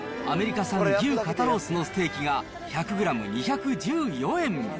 アメリカ産牛肩ロースのステーキが１００グラム２１４円。